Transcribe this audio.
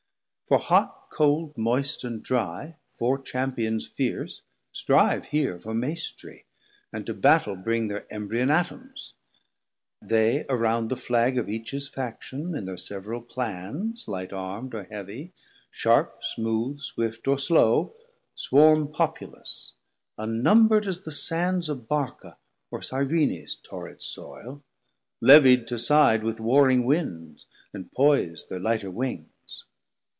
For hot, cold, moist, and dry, four Champions fierce Strive here for Maistrie, and to Battel bring Thir embryon Atoms; they around the flag 900 Of each his faction, in thir several Clanns, Light arm'd or heavy, sharp, smooth, swift or slow, Swarm populous, unnumber'd as the Sands Of Barca or Cyrene's torrid soil, Levied to side with warring Winds, and poise Thir lighter wings.